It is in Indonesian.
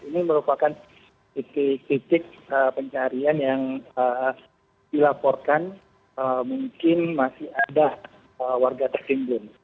ini merupakan titik titik pencarian yang dilaporkan mungkin masih ada warga tertimbun